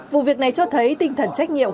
vụ việc này cho thấy tinh thần trách nhiệm